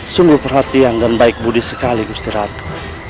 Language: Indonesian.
sungguh perhatian dan baik budi sekali bistri pradu